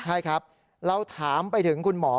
ใช่ครับเราถามไปถึงคุณหมอ